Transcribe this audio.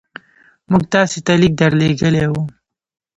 موږ تاسي ته لیک درلېږلی وو.